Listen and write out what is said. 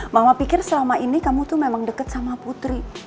mama pikir selama ini kamu tuh memang deket sama putri